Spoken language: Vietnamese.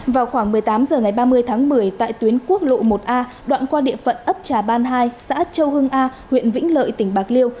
vào khoảng một mươi tám h ngày ba mươi tháng một mươi tại tuyến quốc lộ một a đoạn qua địa phận ấp trà ban hai xã châu hưng a huyện vĩnh lợi tỉnh bạc liêu